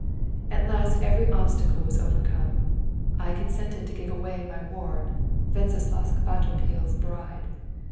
At last every obstacle was overcome. I consented to give away my ward, Wenceslaus Kvatopil's bride.